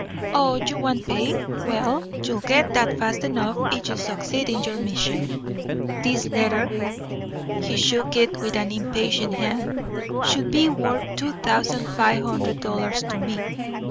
"Oh, you want pay? Well, you'll get that fast enough if you succeed in your mission. This letter" he shook it with an impatient hand "should be worth two thousand five hundred dollars to me.